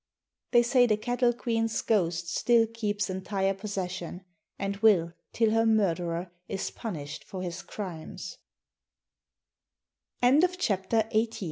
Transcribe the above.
They say the Cattle Queen's ghost still keeps entire possession, and will till her murderer is punished for his crime